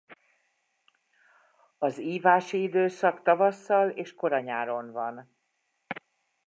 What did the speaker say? Az ívási időszak tavasszal és kora nyáron van.